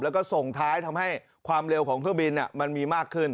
แล้วก็ส่งท้ายทำให้ความเร็วของเครื่องบินมันมีมากขึ้น